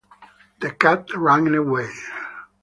The cat ran away.